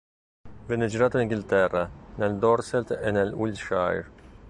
Venne girato in Inghilterra, nel Dorset e nel Wiltshire.